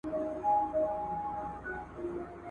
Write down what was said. احتمال لري د خوب ليدونکی درواغجن وي.